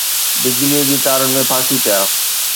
بجلي جي تارن ۾ ڦاسي پيا